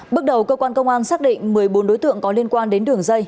bước đầu cơ quan công an xác định một mươi bốn đối tượng có liên quan đến đường dây